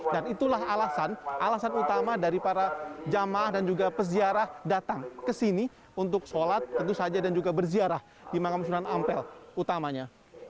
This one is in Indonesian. dan itulah alasan alasan utama dari para jamaah dan juga peziarah datang ke sini untuk sholat tentu saja dan juga berziarah di mangam sunan ampel utamanya